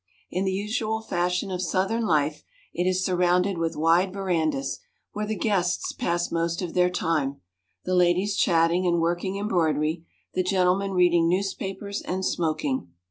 In the usual fashion of Southern life, it is surrounded with wide verandas, where the guests pass most of their time, the ladies chatting, and working embroidery; the gentlemen reading newspapers, and smoking.